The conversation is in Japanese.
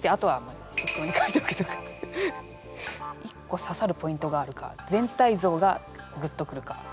１こささるポイントがあるか全体像がグッと来るか。